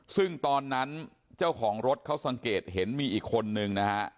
ซึ่งตอนนั้นเจ้าของรถเขาสังเกตเห็นมีอีกคนนึงนะฮะ